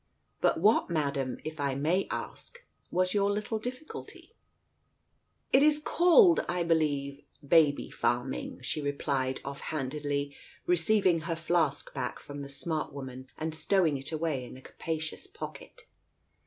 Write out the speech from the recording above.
"But what, Madam, if I may ask, was your little difficulty ?" "It is called, I believe, Baby Farming," she replied off handedly, receiving her flask back from the smart woman and stowing it away in a capacious pocket.